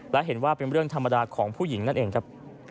และเห็นว่าเป็นเรื่องธรรมดาของผู้หญิงนั่นเองครับ